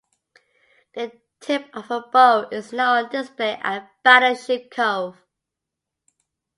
The tip of her bow is now on display at Battleship Cove.